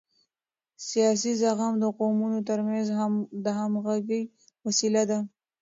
سیاسي زغم د قومونو ترمنځ د همغږۍ وسیله ده